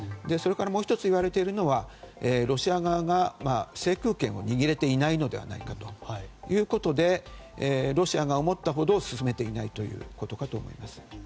それからもう１つ言われているのがロシア側が制空権を握れていないのではないかということでロシアが思ったほど進めていないということかと思います。